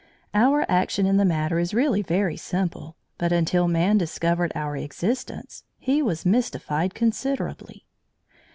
Our action in the matter is really very simple, but until man discovered our existence, he was mystified considerably.